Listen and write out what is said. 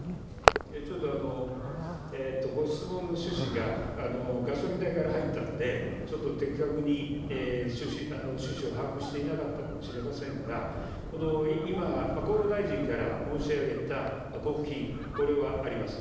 ちょっと、ご質問の趣旨が、ガソリン代から入ったんで、ちょっと的確に趣旨を把握していなかったかもしれませんが、今、厚労大臣から申し上げた交付金、これはあります。